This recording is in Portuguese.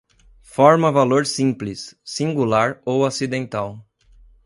Forma-valor simples, singular ou acidental